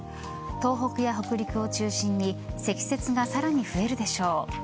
東北や北陸を中心に積雪がさらに増えるでしょう。